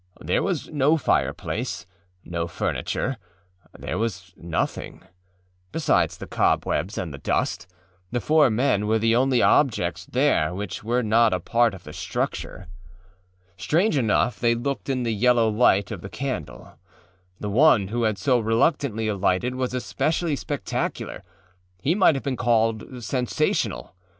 There was no fireplace, no furniture; there was nothing: besides the cobwebs and the dust, the four men were the only objects there which were not a part of the structure. Strange enough they looked in the yellow light of the candle. The one who had so reluctantly alighted was especially spectacularâhe might have been called sensational.